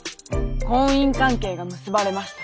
婚姻関係が結ばれました。